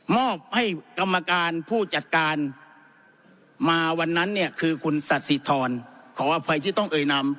มอบให้กรรมการผู้จัดการมาวันนั้นเนี่ยคือคุณสัสสิทรขออภัยที่ต้องเอ่ยนำ